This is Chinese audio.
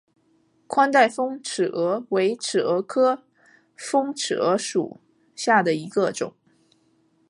宽带峰尺蛾为尺蛾科峰尺蛾属下的一个种。